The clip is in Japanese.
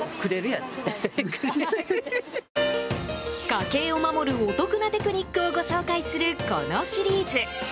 家計を守るお得なテクニックをご紹介する、このシリーズ！